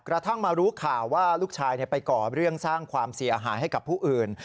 กระทั่งมารู้ข่าวว่าลูกชายไปก่อเรื่องสร้างความเสียหายให้กับผู้อื่น